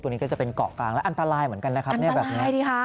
ตรงนี้ก็จะเป็นเกาะกลางแล้วอันตรายเหมือนกันนะครับอันตรายดิคะ